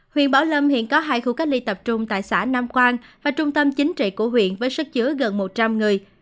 huyện bảo lâm hiện có hai khu cách ly tập trung tại xã nam quang và trung tâm chính trị của huyện với sức chứa gần một trăm linh người